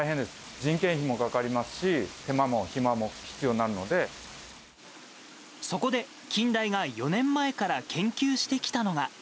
人件費もかかりますし、そこで、近大が４年前から研究してきたのが。